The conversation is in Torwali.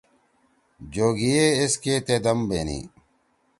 جوگئ یے ایس کے تے دم بینی۔